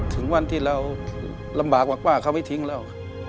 ถึงวันที่เราลำบากกว่าเขาไม่ทิ้งแล้ว